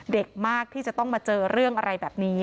เด็กมากที่จะต้องมาเจอเรื่องอะไรแบบนี้